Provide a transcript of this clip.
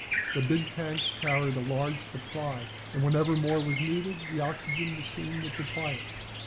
The big tanks carried a large supply, and whenever more was needed the oxygen machine would supply it.